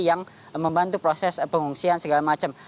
yang membantu proses pengungsian segala macam